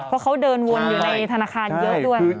เพราะเขาเดินวนอยู่ในธนาคารเยอะด้วย